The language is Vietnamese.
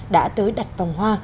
đã tới đặt vòng hoa